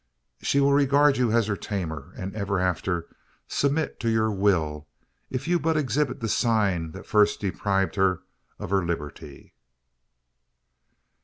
"_She will regard you as her tamer; and ever after submit to your will, if you but exhibit the sign that first deprived her of her liberty_."